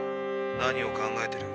何を考えてる。